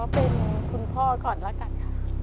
เป็นคุณพ่อก่อนละกันค่ะ